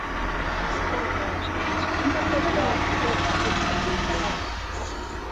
urais katika uchaguzi mkuu ujao ambapo hii leo